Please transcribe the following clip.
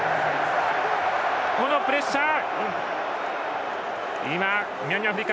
このプレッシャー。